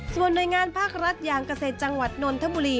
ส่วนหน่วยงานภาครัฐอย่างเกษตรจังหวัดนนทบุรี